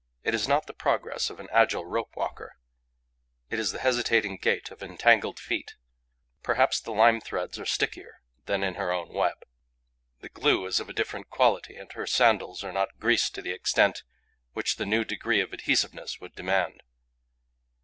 It is not the progress of an agile rope walker; it is the hesitating gait of entangled feet. Perhaps the lime threads are stickier than in her own web. The glue is of a different quality; and her sandals are not greased to the extent which the new degree of adhesiveness would demand.